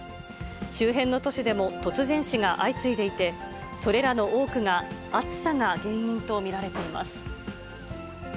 周辺の都市でも突然死が相次いでいて、それらの多くが、暑さが原因と見られています。